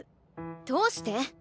どうして？